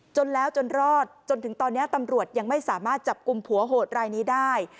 จนแล้วจนรอดจนถึงตอนนี้ตำรวจยังไม่สามารถจับกลุ่มผัวโหดรายนี้ได้